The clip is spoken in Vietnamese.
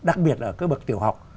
đặc biệt ở cái bậc tiểu học